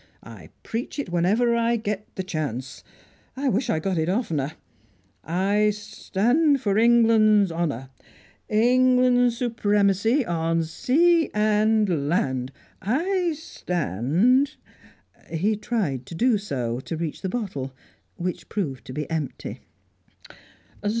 I preach it whenever I get the chance; I wish I got it oftener. I stand for England's honour, England's supremacy on sea and land. I st tand " He tried to do so, to reach the bottle, which proved to be empty.